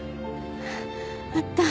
あった。